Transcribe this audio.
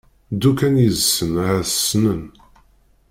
Ddu kan yid-sen ahat ssnen.